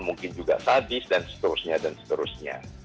mungkin juga sadis dan seterusnya dan seterusnya